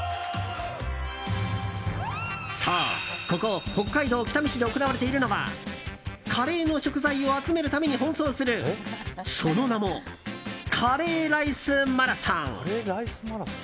そう、ここ北海道北見市で行われているのはカレーの食材を集めるために奔走するその名も、カレーライスマラソン。